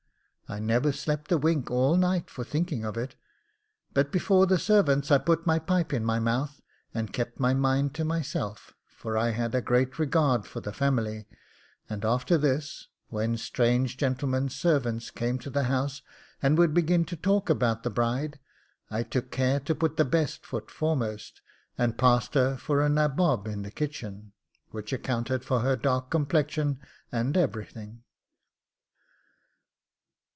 I never slept a wink all night for thinking of it; but before the servants I put my pipe in my mouth, and kept my mind to myself, for I had a great regard for the family; and after this, when strange gentlemen's servants came to the house, and would begin to talk about the bride, I took care to put the best foot foremost, and passed her for a nabob in the kitchen, which accounted for her dark complexion and everything.